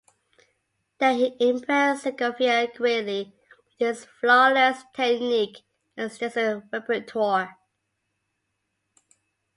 There he impressed Segovia greatly with his flawless technique and extensive repertoire.